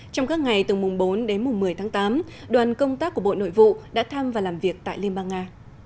trong các ngày từ mùng bốn đến mùng một mươi tháng tám đoàn công tác của bộ nội vụ đã thăm và làm việc tại liên bang nga